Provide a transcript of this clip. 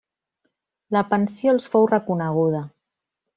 La pensió els fou reconeguda.